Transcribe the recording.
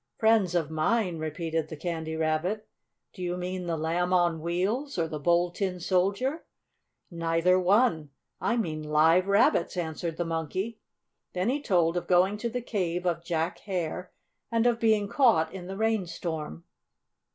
"Friends of mine?" repeated the Candy Rabbit. "Do you mean the Lamb on Wheels or the Bold Tin Soldier?" "Neither one. I mean Live Rabbits," answered the Monkey. Then he told of going to the cave of Jack Hare and of being caught in the rain storm.